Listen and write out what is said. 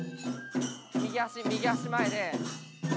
右足右足前で右手。